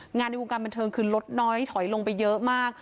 ในวงการบันเทิงคือลดน้อยถอยลงไปเยอะมาก